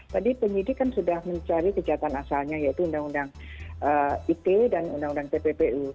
tadi penyidik kan sudah mencari kejahatan asalnya yaitu undang undang ite dan undang undang tppu